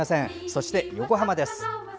そして横浜です。